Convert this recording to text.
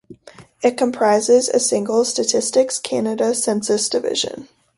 It comprises a single Statistics Canada census division.